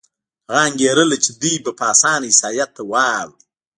هغه انګېرله چې دوی به په اسانه عیسایت ته واوړي.